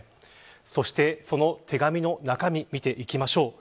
そして、その手紙の中身見ていきましょう。